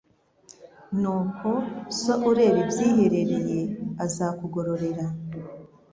"Nuko So ureba ibyiherereye azakugororera."